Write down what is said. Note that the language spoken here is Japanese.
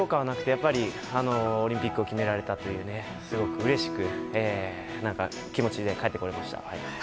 やっぱりオリンピックを決められたというすごくうれしい気持ちで帰ってこれました。